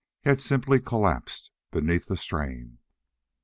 He had simply collapsed beneath the strain.